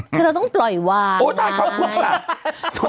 คือเราต้องปล่อยวางไง